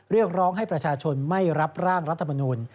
เรียกร้องให้ประชาชนไม่รับร่างรัฐมนูล